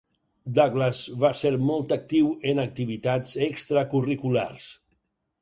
Douglas va ser molt actiu en activitats extracurriculars.